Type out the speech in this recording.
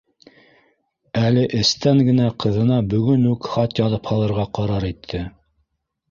Әле эстән генә ҡыҙына бөгөн үк хат яҙып һалырға ҡарар итте